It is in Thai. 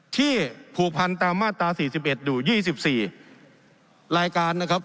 ที่ผูกพันตามมาตราสี่สิบเอ็ดดูยี่สิบสี่รายการนะครับ